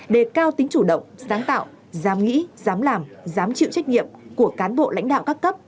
đề cao tính chủ động sáng tạo dám nghĩ dám làm dám chịu trách nhiệm của cán bộ lãnh đạo các cấp